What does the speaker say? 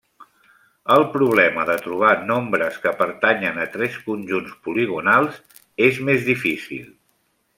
El problema de trobar nombres que pertanyen a tres conjunts poligonals és més difícil.